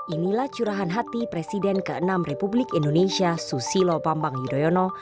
inilah curahan hati presiden ke enam republik indonesia susilo bambang yudhoyono